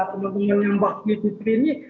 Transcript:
temen temen yang bakti di sini